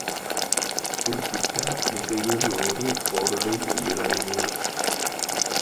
குறிப்பிட்ட திசையில் ஒரு பொருளின் விளைவு.